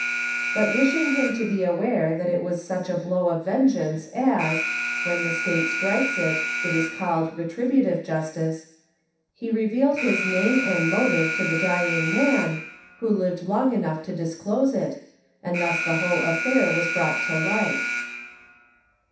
But wishing him to be aware that it was such a blow of vengeance as, when the state strikes it, is called retributive justice, he revealed his name and motive to the dying man, who lived long enough to disclose it, and thus the whole affair was brought to light.